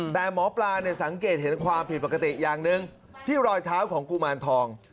แต่หมอปลาสังเกตเห็นความผิดปกติอย่างหนึ่งที่รอยเท้าของกุมารทอง